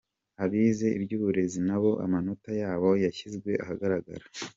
Abize iby’uburezi nabo amanota yabo yashyizwe ahagaragara